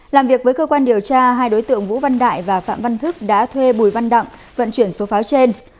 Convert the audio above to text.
làm việc với cơ quan điều tra hai đối tượng vũ văn đại và phạm văn thức đã thuê bùi văn đặng vận chuyển số pháo trên